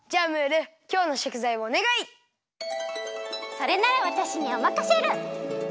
それならわたしにおまかシェル！